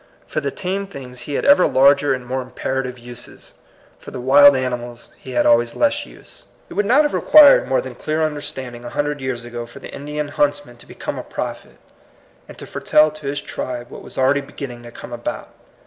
For the tame things he had ever larger and more imperative uses. For the wild ani mals he had always less use. It would not have required more than clear understanding a hundred years ago for the Indian huntsman to become a prophet, and to foretell to his tribe what was already beginning to come about.